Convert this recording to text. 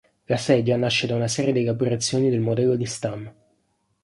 La sedia nasce da una serie di elaborazioni del modello di Stam.